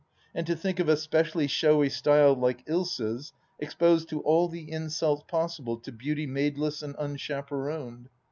And to think of a specially showy style like Ilsa's exposed to all the insults possible to beauty maid less and unchaperoned